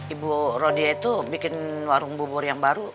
ibu rodia itu bikin warung bubur yang baru